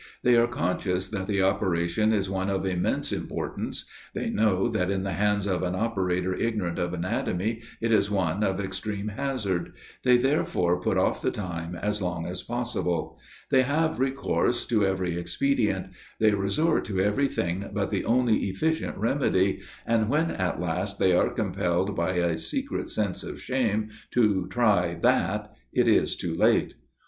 They are conscious that the operation is one of immense importance: they know that in the hands of an operator ignorant of anatomy, it is one of extreme hazard: they therefore put off the time as long as possible: they have recourse to every expedient: they resort to every thing but the only efficient remedy, and when at last they are compelled by a secret sense of shame to try that, it is too late.